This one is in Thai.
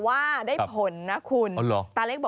สวัสดีครับสวัสดีครับ